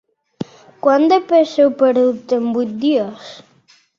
Quant de pes heu perdut en vuit dies?